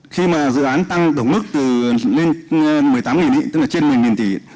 khi mà dự án tăng tổng mức từ lên một mươi tám tỷ